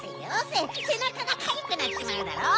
せなかがかゆくなっちまうだろ。